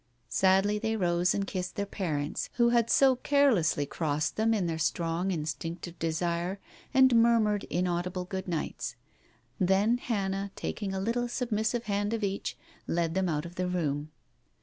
9 " Sadly they rose and kissed their parents, who had so carelessly crossed them in their strong instinctive desire, and murmured inaudible good nights. Then Hannah, taking a little submissive hand of each, led them out of the room.